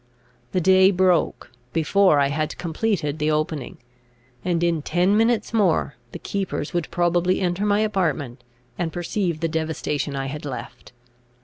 The day broke, before I had completed the opening, and in ten minutes more the keepers would probably enter my apartment, and perceive the devastation I had left.